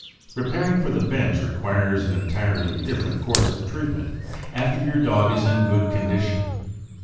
Preparing for the bench requires an entirely diiferent course of treatment after your dog is in good condition.